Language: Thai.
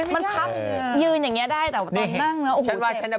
มันพับได้